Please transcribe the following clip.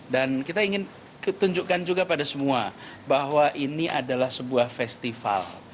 dan kita ingin tunjukkan juga pada semua bahwa ini adalah sebuah festival